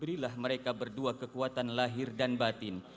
berilah mereka berdua kekuatan lahir dan batin